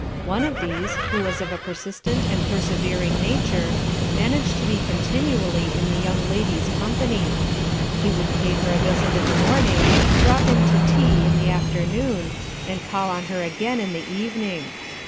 One of These, who was of a Persistent and Persevering Nature, managed to be Continually in the Young Lady's Company. He would pay her a visit in the Morning, Drop In to Tea in the Afternoon, and Call on her Again in the Evening.